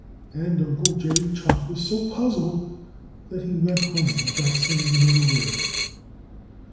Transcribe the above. And Uncle Jerry Chuck was so puzzled that he went home without saying another word.